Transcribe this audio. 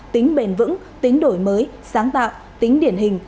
tính bền vững tính đổi mới sáng tạo tính điển hình